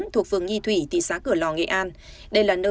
thuộc vườn nghi thủy thị xã cửa lò nghệ an